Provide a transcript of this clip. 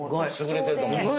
優れてると思います。